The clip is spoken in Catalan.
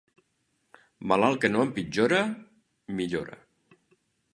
Malalt que no empitjora, millora.